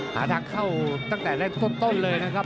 หาทางเข้าตั้งแต่แรกต้นเลยนะครับ